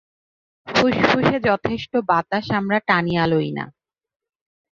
ফুসফুসে যথেষ্ট বাতাস আমরা টানিয়া লই না।